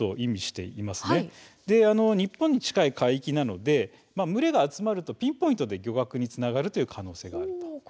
日本に近い海域なので群れが集まるとピンポイントでまとまった漁獲につながるということです。